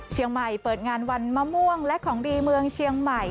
เชียงใหม่เปิดงานวันมะม่วงและของดีเมืองเชียงใหม่